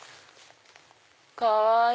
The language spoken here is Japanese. かわいい！